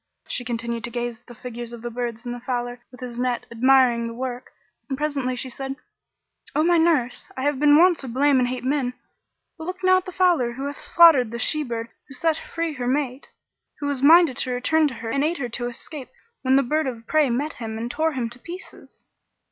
She continued to gaze at the figures of the birds and the fowler with his net, admiring the work, and presently she said, "O my nurse, I have been wont to blame and hate men, but look now at the fowler how he hath slaughtered the she bird who set free her mate; who was minded to return to her and aid her to escape when the bird of prey met him and tore him to pieces."